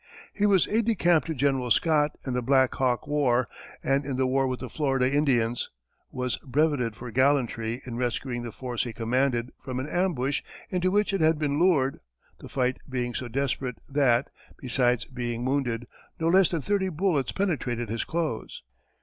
He was aide de camp to General Scott in the Black Hawk war; and in the war with the Florida Indians, was brevetted for gallantry in rescuing the force he commanded from an ambush into which it had been lured, the fight being so desperate that, besides being wounded, no less than thirty bullets penetrated his clothes.